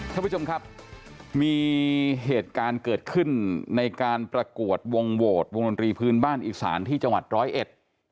ท่านผู้ชมครับมีเหตุการณ์เกิดขึ้นในการประกวดวงโหวตวงดนตรีพื้นบ้านอีสานที่จังหวัดร้อยเอ็ด